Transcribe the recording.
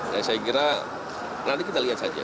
nah saya kira nanti kita lihat saja